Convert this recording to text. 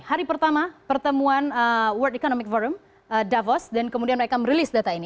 hari pertama pertemuan world economic forum davos dan kemudian mereka merilis data ini